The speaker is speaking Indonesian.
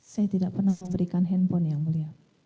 saya tidak pernah memberikan handphone yang mulia